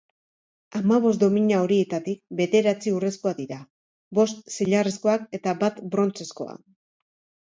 Hamabost domina horietatik, bederatzi urrezkoak dira, bost zilarrezkoak eta bat brontzezkoa.